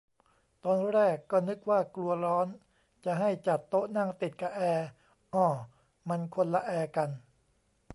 ตอนแรกก็นึกว่ากลัวร้อน จะให้จัดโต๊ะนั่งติดกะแอร์ อ้อ มันคนละแอร์กัน